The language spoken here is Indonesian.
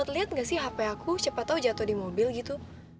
lihat nggak sih hp aku siapa tau jatuh di mobil gitu